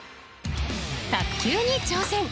卓球に挑戦。